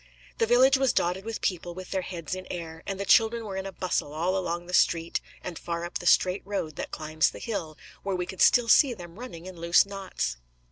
The village was dotted with people with their heads in air; and the children were in a bustle all along the street and far up the straight road that climbs the hill, where we could still see them running in loose knots.